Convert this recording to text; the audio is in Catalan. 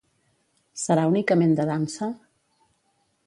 Serà únicament de dansa?